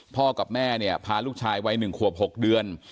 กับแม่เนี่ยพาลูกชายวัย๑ขวบ๖เดือน